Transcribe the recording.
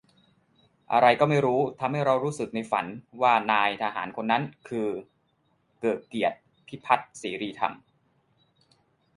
อะไรก็ไม่รู้ทำให้เรารู้สึกในฝัน ว่านายทหารคนนั้นคือ เกริกเกียรติ พิพัทธ์เสรีธรรม